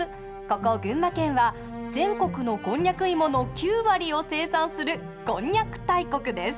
ここ群馬県は全国のこんにゃく芋の９割を生産するこんにゃく大国です。